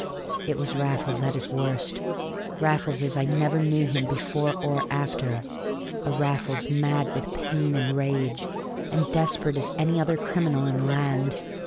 It was Raffles at his worst, Raffles as I never knew him before or after a Raffles mad with pain and rage, and desperate as any other criminal in the land.